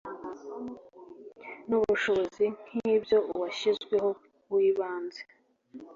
n ubushobozi nk iby uwashyizweho w ibanze